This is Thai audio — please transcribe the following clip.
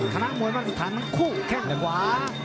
คณะมวยบ้านสถานทั้งคู่แข้งขวา